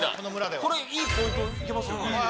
これ、いいポイントいけますよね？